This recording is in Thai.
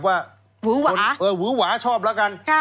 ใครคือน้องใบเตย